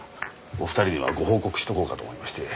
お二人にはご報告しとこうかと思いまして。